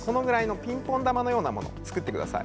ピンポン球のように作ってください。